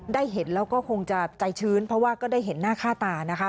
ได้เห็นแล้วก็คงจะใจชื้นเพราะว่าก็ได้เห็นหน้าค่าตานะคะ